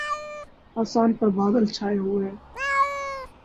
آسان پر بادل چھاۓ ہوۓ ہیں